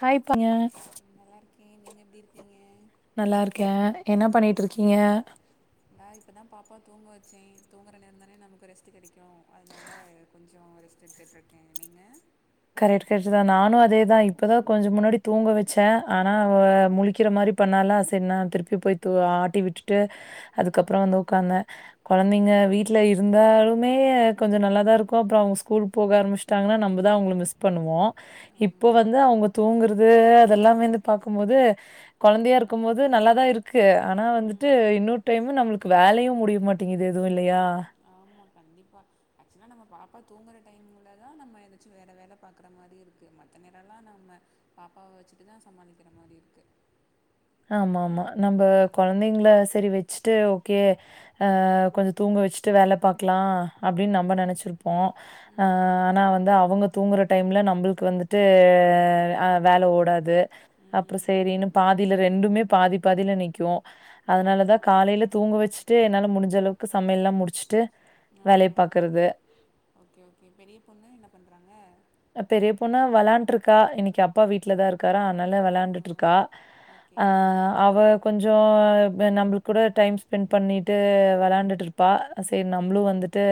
காய்ப்பீங்க நல்லா இருக்கே நீங்க எப்டி இருக்கீங்க நல்லா இருக்கே என்ன பண்ணிட் இருக்கீங்க நா இப்பதா பாப்பா தூங்க வச்சே தூங்குற நேரம் தானே நமக்கு ரெஸ்ட் கிடைக்கு அதனால கொஞ் சோ ரிெஸ்ட் எடுத்துட்ருக்கே நீங்க கரெக்ட் கரெக்ட் தா நானு அதேதா இப்பதா கொஞ்சோ முன்னாடி தூங்க வச்சே ஆனா அவ ம் முழிக்கிற மாரி பண்ணாலா செரி நா திருப்பி போய் தூ ஆட்டி விட்டுட்டு ம் அதுக்கப்புறோ வந்து உக்காந்தே கொழந்தைங்க ஓகே வீட்ல இருந்தாலுமே கொஞ்சோ நல்லாதா இருக்கு அப்புறோ அவங்க ஸ்கூல் போக ஆரம்பிச் சுட்டாங்கன்னா நம்ப தா அவங்கள மிஸ் மிஸ் பண்ணுவோ இப்போ ஆமா வந்து அவங்க தூங்குறது அதெல்லாம் வந்து பாக்கும்போது கொழந்தையா இருக்கும் போது நல்லாதா இருக்கு ஆனா வந்துட்டு ம் இன்னொரு டைமு நம்மளுக் வேலையு முடிய மாட் டிங்குது எதுவு இல்லையா ஆமா கண்டிப்பா ஆக்சுவலா நம்ம பாப்பா தூங்குற டைம்லதா நம்ம எதாச்சு வேற வேல பாக்குற மாரி இருக்கு மற்ற நேரல்லா நம்ம பாப்பாவ வெச்சுட்டுதா சமாளிக்கிற மாரி இருக்கு ஆமாமா நம்ப கொழந்தைங்கள சரி வெச்சுட்டு ஓகே ஆ கொஞ்சோ தூங்க வெச்சுட்டு வேலை பாக்கலா அப்டின்னு நம்ம ம் நெனச்சிருப்போ ஆ ம் ஆனா வந்து அவுங்க தூங்குற டைம்ல நம்மளுக்கு வந்துட்டு வேல ஓடாது அப்றோ ம் சேரினு பாதில ரெண்டுமே பாதி பாதில நிக்கு அதனாலதா ஆமா காலைல தூங்க வெச்சுட்டு என்னால முடிஞ்ச அளவுக்கு சமையல் எல்லா முடிச்சிட்டு ஆ வேலைய பாக்கறது ஓகே ஓகே பெரிய பொண்ணு என்ன பண்றாங்க? பெரிய பொண்ணு வெளாண்ட்டு இருக்கா இன்னைக்கு அப்பா வீட்லதா இருக்காறா அதனால ஓ வெளாண்ட்டு இருக்கா ஓகே ஆ ஓகே அவ கொஞ்சோ நம்மளுக்கு கூட டைம் ஸ்பெண்ட் பண்ணிட்டு வெளைண்டுட்டு இரு ப்பா செரி நம்மளு ம் வந்துட்டு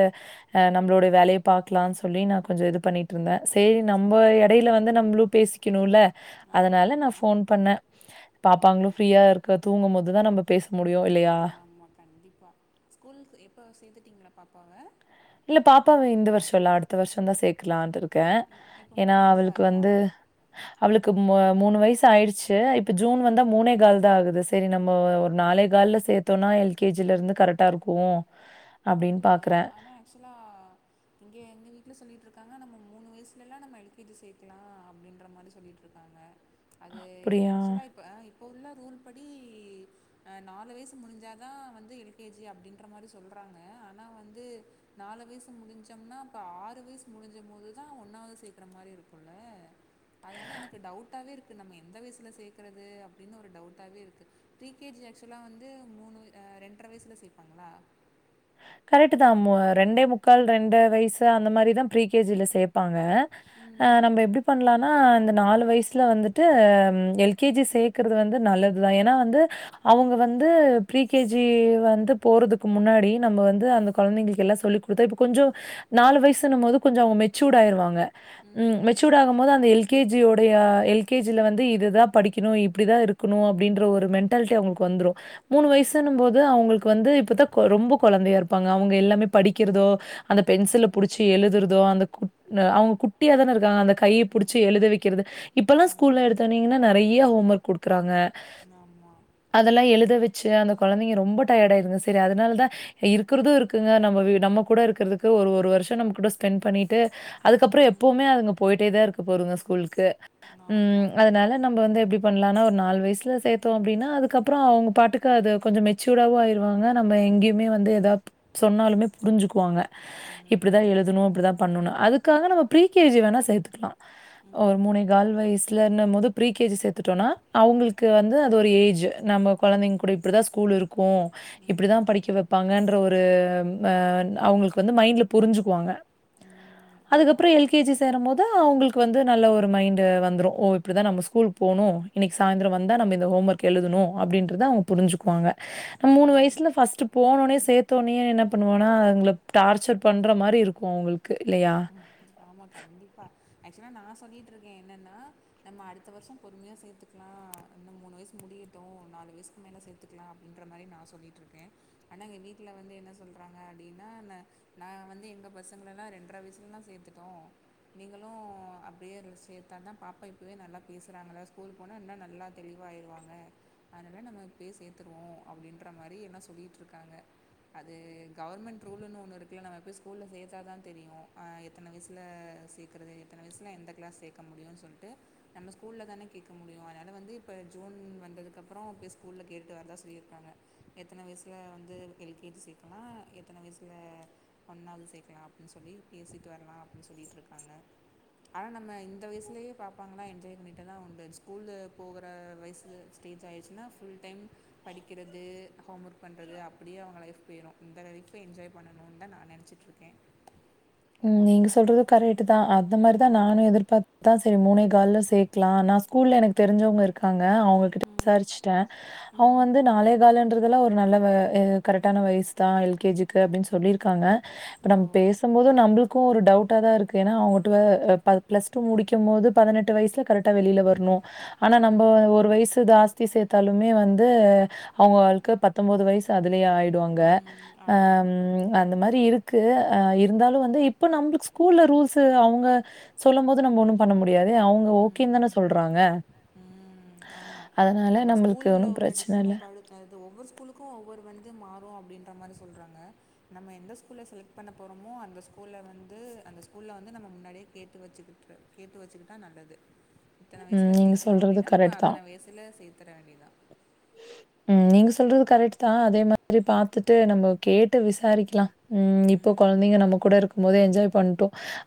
ஆ நம்மளோடைய வேலைய பாக்கலான் சொல்லி நா கொஞ்சொ இது பண்ணிட்டு இருந்தேன் சேரி நம்மோ எடைல வந்து நம்மளு பேசி க்கிணுல்ல ஆமாம் அதனால நா ஆமாம் ஃபோன் பண்ண ஓகே பாப்பாங்களு ஓகே ஃப்ரீயா இருக்க தூங்கும்போதுதான் நம்ம பேச முடியு இல்லையா ஆமா கண்டிப்பா ஸ்கூல்க்கு எப்ப சேத்துட்டீங்ளா பாப்பாவ இல்ல பாப்பாவ இந்த வருஷொ இல்ல அடுத்த வருஷந்தா சேக்கலான்ட்டு இருக்கேன் இ இப்போ ஏனா மூணு வயசு அவளுக்கு ஆகுதா வந்து அவளுக்கு மூ மூணு வயசு ஆயிடுச்சு இப்ப ஜூன் ம் வந்தா மூனே கால்தா ஆகுது சேரி நம்மோ நாலே கால்ல சேத்தோன்னா எல் கே ஜி ல இருந்து கரெக்டா இருக்கு அப்டியா ஆனா ஆக்சுலா இங்க எங்க வீட்ல சொல்லிட்டு இருக்காங்க நம்ம மூணு வயசல எல்லா நம்ம எல் கே ஜி சேக்கலா அப்டின்ற மாரி சொல்லிட்டு இருக்காங்க அது அப்படியா? ஆக்சுலா இப்ப இப்போ உள்ள ரூல் படி அ நாலு வயசு முடிஞ்சாதான் வந்து எல் கே ஜி அப்டின்ற மாரி சொல்றாங்க ஆனா வந்து நாலு வயசு முடிஞ்சம்னா அப்ப ஆறு வயசு முடிஞ்சும்போதுதான் ஒன்னாவது சேக்கற மாரி இருக்குல்ல அதனால எனக்கு டவுட்டாவே இருக்கு நம்ம எந்த வயசுல சேக்கறது அப்டின்னு ஒரு டவுட்டாவே இருக்கு ப்ரீ கே ஜி ஆக்சுலா வந்து மூணு ரெண்டரை வயசுல சேப்பாங்ளா கரெக்ட்டுதான் மு ரெண்டே முக்கால் ரெண்ட்ர வயசு அந்த மாரிதான் ப்ரீ கே ஜி ல சே ப்பாங்க ம். நம்ப எப்டி பண்லானா இந்த நாலு வயசுல வந்துட்டு எல் கே ஜி சேக்கறது வந்து நல்லதுதான் ஏனா வந்து அவுங்க வந்து ப்ரி கே ஜி வந்து போறதுக்கு முன்னாடி நம்மோ வந்து அந்த கொழந்தைங்களுக்கு எல்லா சொல்லி குடுத்தா இப்ப கொஞ்சொ நாலு வயசுனும்போது கொஞ்சொ அவுங்க மெச்சூர்ட்டு ஆயிருவாங்க ம் மெ ச்சூடாகும்போது அந்த எல் கே ஜி யோடைய எல் கே ஜி ல வந்து இதுதான் படிக்கணு இப்டிதான் இரு க்கணு அப்டின்ற ஒரு மென்டாலிட்டி அவுங்களுக்கு வந்துரு மூணு ம் வயசுனும்போது அவுங்களுக்கு வந்து இப்பதான் ரொம்ப கொழந்தையா இருப்பாங்க அவுங்க எல்லாமே படிக்கறதோ அந்த பென்சில ம் புடிச்சு எழுதறதோ அந்த கு அவுங்க குட்டியாதான இருக்காங்க அந்த கைய ம் புடிச்சு எழுத வெக்கிறது இப்பெல்லா ம் ஸ்கூல்ல எடுத்தொன்னீங்கன்னா நெறையா ஹோம் ஒர்க் குடுக்கறாங்க ஆமா அதெல்லா எழுத வெச்சு அந்த கொழந்தைங்க ரொம்ப டயர்டு ஆயிருங்க சரி அதனாலதா இருக்கறது இருக்குங்க நம்ம நம்ம கூட இருக்கறதுக்கு ஒரு ஒரு வருஷோ நம்ம கூட ஸ்பெண்ட் பண்ணிட்டு அதுக்கப்றோ ம் எப்புமே அதுங்க போயிட்டேதா இருக்க போதுங்க ஸ்கூல்க்கு ஆமா ம் அதனால நம்ப வந்து எப்டி பண்லானா ஒர் நால் வயசுல சேத்தோ அப்டின்னா அதுக்கப்றோ அவுங்க பாட்டுக்கு அத கொஞ்சோ மெச்சூடாவு ஆயிரு வாங்க நம்ம எங்யுமே வந்து எதாவது சொன்னாலுமே புரிஞ்சுக்குவாங்க இப்டிதா ம் எழுதணு இப்டிதா பண்ணணு அதுக்காக நம்ம ப்ரீ கே ஜி வேணா சேத்துக்கலா ஒரு ம் மூனேகால் வயஸ்லன்னும்போது ப்ரீ கே ஜி சேத்துட்டோனா அவுங்களுக்கு வந்து அது ஒரு ஏஜு நம்ம கொழந்தைங்க கூட இப்டிதா ஸ்கூல் இருக்கு இப்டிதா ம் படிக்க வெப் பாங்கன்ற ஒரு அ அவுங்களுக்கு வந்து மைண்ட்ல புரிஞ்சுக்குவாங்க ம் ஆமா அதுக்கப்றோ எல் கே ஜி சேரம் போது அவுங்களுக்கு வந்து நல்ல ஒரு மைண்டு வந்துரு ஓ இப்டிதா நம்ம ஸ்கூல் போனு இன்னைக்கு சாய்ந்ரோ வந்தா நம்ம இந்த ஹோம் ஒர்க் எழுதணு அப்டின்றத அவுங்க புரிஞ்சிக்குவாங்க மூணு ம் வய்ஸ்ல ஃபஸ்ட்டு போனோனே சேத்தோனேயே என்ன பண்ணுவனா அவுங்கள டார்ச்சர் பண்ற மாரி இருக்கு அவுங்ளுக்கு இல்லையா ஆமா கண்டிப்பா ஆக்ச்சுவலா நா சொல்லிட்டு இருக்கே என்னன்னா நம்ம அடுத்த வர்ஷோ பொறுமையா சேத்துக்லா இன்னு மூணு வயசு முடியிட்டு நாலு வயசுக்கு மேல சேத் துக்லா அப்டின்ற மாரி நா சொல்லிட்ருக்கே ஆனா எங்க வீட்ல வந்து என்ன சொல்றாங்க அப்டின்னா நா நா வந்து எங்க பசங்களலா ரெண்ட்ர வயசு முன்ன சேர்த்துட்டோ நீங்களு அப்டியே அதுல சேத்தானா பாப்பா இப்பவே நல்லா பேசுறாங்கள ஸ்கூல் போனா இன்னு நல்லா தெளிவாய்ருவாங்க அதனால நம்ம இப்பயே சேர்த்திருவோ அப்டின்ற மாரி எல்லா சொல்லிட்ருக்காங்க அது கவர்மெண்ட் ரூல்ன்னு ஒன்னு இருக்குல நம போய் ஸ்கூல்ல சேர்த்தா தா தெரியு அ எத்தன வயசுல சேர்க்கறது எத்தன வயசுல எந்த கிளாஸ் சேர்க்க முடியுன் சொல்ட்டு நம்ம ஸ்கூல்ல தான கேட்க முடியு அதனால வந்து இப்ப ஜூன் வந்ததுக் அப்றோ போய் ஸ்கூல்ல கேட்டு வரதா சொல்லியிருக்காங்க எத்தன வயசுல வந்து எல் கே ஜி சேர்க்கலா எத்தன வயசுல ஒண்னாவது சேர்க்கலா அப்டின் சொல்லி பேசிட்டு வர்லா அப்டி சொல்லிட் இருக்காங்க ஆனா நம்ம இந்த வயசுலேயே பாப்பாங்லா என்ஜாய் பண்ணிட்டதா உண்டு ஸ்கூலு போகற வயசு ஸ்டேஜ் ஆயிருச்சுன்னா ஃபுல் டைம் படிக்கறது ஹோம் ஒர்க் பண்றது அப்டியே அவுங்க லைஃப் போய்ரு இந்த லைஃபா என்ஜாய் பண்ணணுதா நா நெனச்சி ட்ருக்கே ம் நீங்க சொல்றது கரெக்ட்டு தா அந்த மாரி தா நானு ம், எதிர்பார் அதா செரி மூணே கால்ல சேக்லா நா ஸ்கூல்ல எனக் தெரிஞ்சவுங்க இருக் காங்க அவுங்ககிட்ட ம், விசாரிச்சுட்ட அவுங்க ம், வந்து நாளே காலுன்ற இதுலா ஒரு நல்ல கரெக்டான வயசு தா எல் கே ஜி க்கு அப்டின் சொல்லிருக்காங்க ஓ நம்ம பேச போது நம்ளுக்கு ஒரு டவுட்டா தா இருக்கு அவுங்க பிளஸ் டூ முடிக்கும் போது பதினெட்டு வயசுல கரெக்ட் டா வெளில வர்ணு ஆனா நம்ம ம் ஒரு வயசு ஜாஸ் தி சேர்த்தாலுமே வந்து அவுங்க வாழ்க்க பத்தொம்பது வயசு அதுலே ஆயிடு அங்க அ ஆமாம் ம் அந்த மாரி இருக்கு ஆ இருந்தாலு வந்து இப்ப நம்ளுக் ஸ்கூல்ல ரூல்ஸ்சு அவுங்க சொல்லும் போது நம்ம ஒண்ணும் பண்ண முடியாது அவுங்க ஓகே தானா சொல்றாங்க ஆமா அதனால நம்ம நம்மளுக்கு ஸ்கூல்ல ஒண்ணும் உள்ள பிரச்சன இல்ல. டிசிஷன் பா அது ஒவ்வொரு ஸ்கூலுக்கு ஒவ்வொரு வந்து மாறு அப்டின்ற மாரி சொல்றாங்க நம்ம எந்த ஸ்கூல்ல செலக்ட் பண்ண போறோமோ அந்த ஸ்கூல்ல வந்து அந்த ஸ்கூல்ல வந்து நம்ம முன்னாடியே கேட்டு வச்சுக்கிட்டுரு கேட்டு வச்சுக்கிட்டா நல்லது இத்தன ம். வயசில நீங்க சேக்லா சொல்றது அப்டின்னா நம்ம கரெக்ட் தான். அத்தன வயசில சேத்தர வேண்டி தா ம் நீங்க சொல்றது கரெக்ட் தா அதே மாரி பாத்துட்டு நம்ம கேட்டு விசாரிக்லா ம் இப்போ கொழந்தைங்க நம்ம கூட இருக்கும் போது என்ஜாய் பண்டு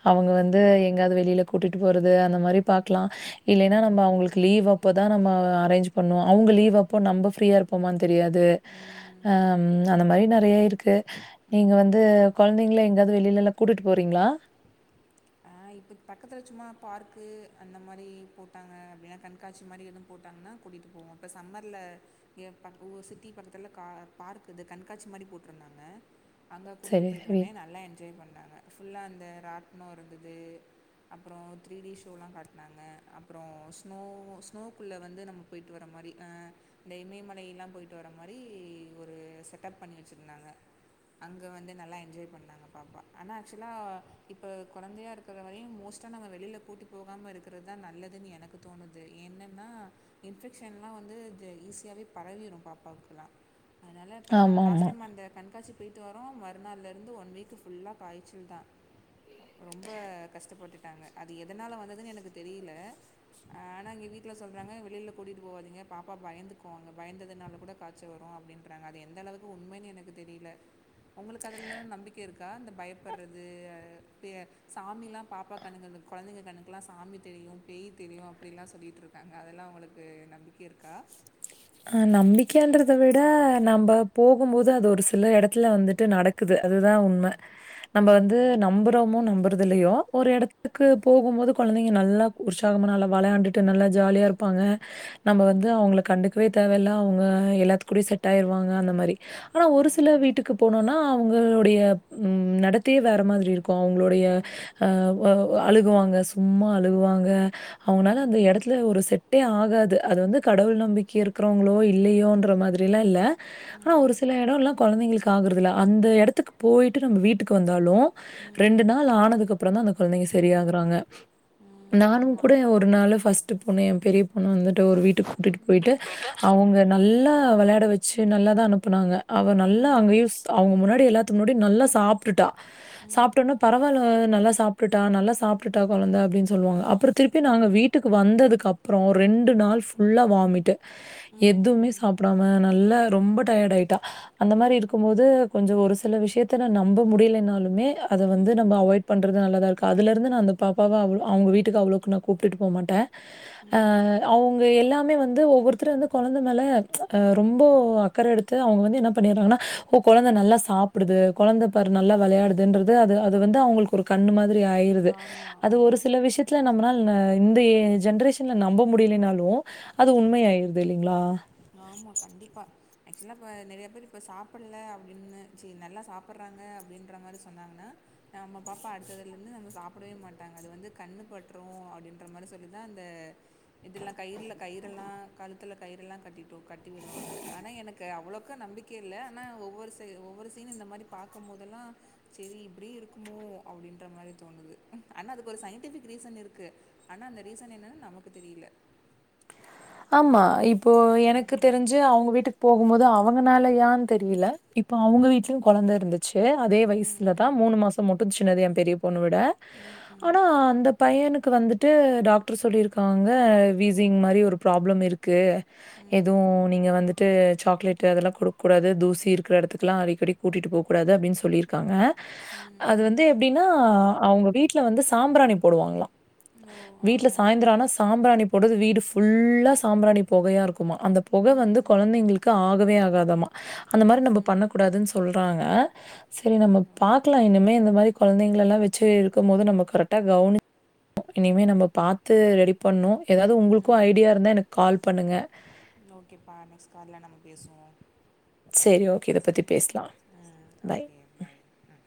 அவுங்க ம் வந்து ஆமாம் எங்காவது வெளில கூட்டிட்டு போறது அந்த மாரி பாக்லா இல்லைன்னா நம்ம ம் அவுங்களுக்கு லீவ் அப்பதா நம்ம அரேஞ்ச் பண்ணு அவுங்க லீவ்வு அப்போ நம்ம ஃப்ரீயா இருப்போமான் தெரியாது அ ம் ம் அந்த மாரி நறைய இருக்கு நீங்க ம் வந்து கொழந்தைங்கள எங்காது வெளிலலா கூட்டுட் போறீங்ளா அ இப்போ பக்கத்துல சும்மா பார்க்கு அந்த மாரி போட்டாங்க அப்டின்னா கண்காட்சி மாரி எதும் போட்டாங்கன்னா கூட்டிட்டு போவோ இப்ப சம்மர்ல ஏ ப ஒ சிட்டி பக்கத்துல கா பார்க் இது கண்காட்சி மாரி போட்ருந்தாங்க அங்க கூட்டிட்டு சரி, போய்ட்டு சரி. வந்தே நல்லா என்ஜாய் பண்ணாங்க ஃபுல்லா அந்த ராட்ண இருந்தது. அப்றோ த்ரீ டி ஷோலா காட்னாங்க அப்றோ ஸ்னோ ஸ்னோக்குள்ள வந்து நம் ம போய்ட்டு வர்ற மாரி இந்த இமயமலையல்லா போயிட்டு வர மாரி ஒரு செட்டப் பண்ணி வச்சிருந்தாங்க அங்க வந்து நல்லா என்ஜாய் பண்ணாங்க பாப்பா ஆனா ஆக்சுவலா இப்ப கொழந்தையா இருக்கிற வரையு மோஸ்ட்டா நம்ம வெளில கூட்டி போகாம இருக்கிறதுதா நல்லதுன் எனக்கு தோணுது என்னன்னா இன்ஃபெக்ஷன்லாம் வந்து ஈஸியாவே பரவிரு பாப்பாவுக்குலா அதனால இப்ப நாங்க லாஸ்ட் ஆமாமா. டைம் அந்த கண்காட்சி போய்ட்டு வரோ மறுநாள்ல இருந்து ஒன் வீக்கு ஃபுல்லா காய்ச்சல்தா ரொம்ப கஷ்டப்பட்டுட்டாங்க அது எதனால வந்ததுன்னு எனக்கு தெரில ஆனா இங்க வீட்ல சொல்றாங்க வெளில கூட்டிட்டு போவாதீங்க பாப்பா பயந்துக்குவாங்க பயந்ததுனால கூட கா ச்ச வரு அப்டின்றாங்க அது எந்த அளவுக்கு உண்மைன்னு எனக்கு தெரில உங்களுக்கு அதுலலா நம்பிக்கை இருக்கா இந்த பயப்புட்றது பே சாமிலா பாப்பா கண்ணுக்கு கொழந்தைங்க கண்ணுக்லா சாமி தெரியு பேய் தெரியு அப்டிலா சொல்லிட்ரு க்காங்க அதெல்லா உங்களுக்கு நம்பிக்க இருக்கா அ நம்பிக்கைன்றத விட நம்ப போகும்போது அது ஒரு சில எடத்துல வந்துட்டு நட குது அதுதா உண்ம நம்ப வந்து ம் நம்புறோமோ நம்ப றது இல்லையோ ஒரு எடத்துக்கு போகும்போது கொழந்தைங்க நல்லா உற்சாகமா நல்லா வெளையாண்டுட்டு நல்லா ஜாலியா இரு ப்பாங்க நம்ம ம் வந்து அவங்ள கண்டுக்கவே தேவையில்ல அவங்க எல்லாத்து கூடயு செட் ஆயிருவாங்க அந்த மாரி ஆனா ஒரு சில ம் வீட்டுக்கு போனோனா அவங்களுடைய ம் நடத்தையே வேற மாதிரி இருக்கு அவங்களுடைய ம் அ அழுகுவாங்க சும்மா அழுகுவாங்க அவுங்னால ம் அந்த எடத்துல ஒரு செட்டே ஆகாது அது வந்து கடவுள் நம்பிக்கை இருக்கிறவங்களோ இல்லையோன்ற மாதிரில்லாம் இல்ல ஆனா ஒரு சில எடோல்லா கொழந்தைங்களுக்கு ஆகுறதில்ல அந்த எடத்துக்கு போய்ட்டு நம்ப வீட்டுக்கு வந்தாலு ம் ம் ரெண்டு நாள் ஆனதுக்கப்புறம்தா அந்த கொழந்தைங்க சரியாகறாங்க ம் நானு கூட ஆமாம் ஒரு நாளு ஃபர்ஸ்ட்டு பொண்ணு எ பெரிய பொண்ணு வந்துட்டு ஒரு வீட்டுக்கு கூட்டிட்டு போயிட்டு அவங்க நல்லா வெளாட வச்சு நல்லாதா அனுப்புனாங்க அவ நல்லா ம் அங்கயு அவங்க முன்னாடி எல்லாத்துக் முன்னாடியு நல்லா சாப்ட்டுட்டா ம் சாப்ட்டோனா பரவால்ல நல்லா சாப்ட்டுட்டா நல்லா சாப்ட்டுட்டா கொழந்தை அப்டின் சொல்லுவாங்க அப்ற திருப்பி நாங்க வீட் வீட்டுக்கு வந்ததுக்கு அப்ற ரெண்டு நாள் ஃபுல்லா வாமிட்டு் ம் எதுமே ம் சாப்டாம நல்லா ரொம்ப டயர்ட் ஆயிட்டா அந்த மாரி இருக்கும் போது கொஞ்ச ஒரு சில விஷயத்துல நம்ப முடிலைனாலுமே அத வந்து நம்ப அவாய்ட் பண்றது நல்லாதா இருக்கு அதுலருந்து நா அந்த பாப்பாவ அவ அவங்க வீட்டுக்கு அவ்ளோக்கு நான் கூப்டுட்டு போமாட்டே ம். ஆ அவங்க எல்லாமே வந்து ஒவ்வொருத்தரு வந்து கொழந்தை மேல ரொம்போ அக்கற எடுத் து அவங்க வந்து என்ன பண்ணிறாங்கன்னா ஓ கொழந்த நல்லா சாப்பிடுது கொழந்த பாரு நல்லா வெளையாடுதுன்றது அது அது வந்து அவங்களுக்கு ஒரு கண்ணு மாதிரி ஆயிருது ஆமா, அது ஆமா. ஒரு சில விஷயத்துல நம்மனாள் இந்த ஏ ஜென்ரேஷன்ல நம்ப முடிலனாலு அது உண்மையாய்டுது இல்லிங்ளா ஆமா கண்டிப்பா ஆக்சுவலா இப்ப நெறைய பேர் இப்ப சாப்பிட்ல அப்டின்னு சரி நல்லா சாப்பபுட்றாங்க அப்டின்ற மாரி சொன்னாங்கனா நம்ம பாப்பா அடுத்ததுல இருந்து நம்ம சாப்பிடவே மாட்டாங்க அது வந்து கண்ணு பட்று அப்டின்ற மாரி சொல்லிதா அந்த இதெல்லா கயிற்ல கயிறு எல்லா கழுத்துல கயிறு எல்லா கட்டிட்டோ கட்டி விடுவாங்க ஆனா எனக்கு அவ்ளோக்க நம்பிக்கை இல்ல ஆனா ஒவ்வொரு ச ஒவ்வொரு சீன் இந்த மாதிரி பாக்கும்போதல்லா செரி இப்டியு இருக்குமோ அப்படின்ற மாதிரி தோணுது ஆனா அதுக்கு ஒரு சயின்டிபிக் ரீசன் இருக்கு ஆனா அந்த ரீசன் என்னன் நமக்கு தெரியில்ல ஆமா இப்போ எனக்கு தெரிஞ்சு அவங்க வீட்டுக் போகும்போது அவங்கனாலையான் தெரியில இப்ப அவங்க வீடலயு கொழந்த இருந்துச் சு அதே ம் வயசுலதா ம் மூணு மாசம் மட்டு சின்னது எ பெரிய பொண்ணு விட ம் ஆனா அந்த பையனுக்கு வந்துட்டு டாக்டர் சொல்லியிருக்காங்க வீசிங் மாரி ஒரு ப்ராப்ளம் இருக்கு எதுவு ம் நீங்க வந்துட்டு சாக்லேட்டு அதெல்லா குடுக் கூூடாது தூசி இருக்கிற இடத்துக்கெல்லா அடிக்கடி கூட்டிட்டு போக் கூடாது அப்டின் சொல்லியிருக்காங்க ம் அது ம் வந்து எப்டின்னா அவங்க வீட்ல வந்து சாம்பிராணி போடுவாங்களா ஓ ஆ வீட்ல ஆ சாய்ந்தரான்னா சாம்பிராணி போடுது வீடு ஃபுல்லா சாம்பிராணி பொகையா இருக்குமா அந்த பொக வந்து ம் கொழந்தைங்களுக்கு ஆகவே ஆகாதாம்மா அந்த மாரி ம் நம்ப ம் பண்ண கூடாதுன் சொல்றாங்க சரி நம்ம பாக்கலா இனிமே இந்த மாரி கொழந்தைங்கலெல்லா வெச்சு இருக்கும் போது நம்ம கரெக்டா கவனி இனிமே நம்ம பாத்து ரெடி பண்ணு எதாவது உங்களுக்கு ம் ஐடியா இருந்தா எனக் கால் பண்ணுங்க ஓகேப்பா நெக்ஸ்ட் கால்ல நம்ம பேசுவோ செரி ஓகே இத பத்தி பேசலா ம் ஓகே பாய் அ